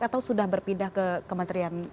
atau sudah berpindah ke kementerian